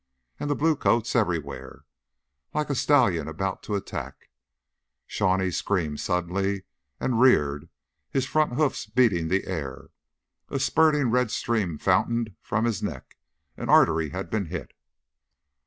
And the blue coats everywhere. Like a stallion about to attack, Shawnee screamed suddenly and reared, his front hoofs beating the air. A spurting red stream fountained from his neck; an artery had been hit.